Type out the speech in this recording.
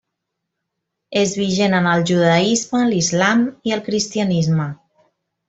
És vigent en el judaisme, l'islam i el cristianisme.